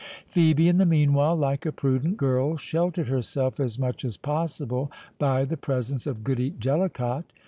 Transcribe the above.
Phœbe, in the meanwhile, like a prudent girl, sheltered herself as much as possible by the presence of Goody Jellicot.